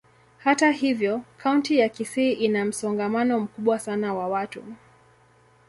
Hata hivyo, kaunti ya Kisii ina msongamano mkubwa sana wa watu.